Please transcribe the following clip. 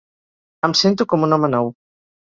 Em sento com un home nou.